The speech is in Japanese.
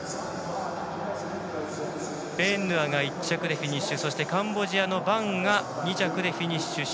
ペーンヌアが１着でフィニッシュそしてカンボジアのバンが２着でフィニッシュし